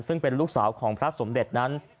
ซึ่งเป็นลูกสาวของพระสมเด็จนั้น